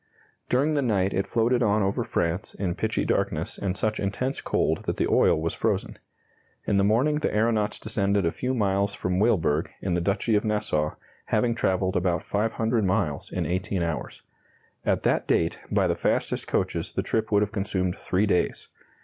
During the night it floated on over France in pitchy darkness and such intense cold that the oil was frozen. In the morning the aeronauts descended a few miles from Weilburg, in the Duchy of Nassau, having travelled about 500 miles in 18 hours. At that date, by the fastest coaches the trip would have consumed three days.